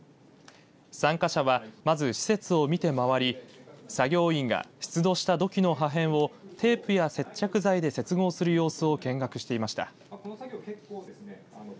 参加者は、まず施設を見て回り作業員が出土した土器の破片をテープや接着剤で接合する様子を見学していました。